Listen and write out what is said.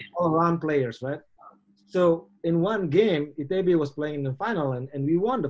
jadi di satu pertandingan itabie bermain di final dan kami menang